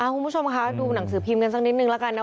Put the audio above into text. คุณผู้ชมคะดูหนังสือพิมพ์กันสักนิดนึงแล้วกันนะ